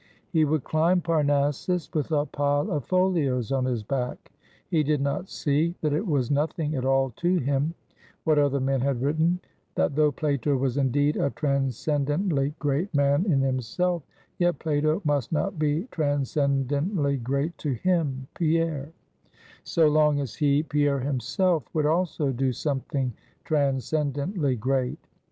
He would climb Parnassus with a pile of folios on his back. He did not see, that it was nothing at all to him, what other men had written; that though Plato was indeed a transcendently great man in himself, yet Plato must not be transcendently great to him (Pierre), so long as he (Pierre himself) would also do something transcendently great.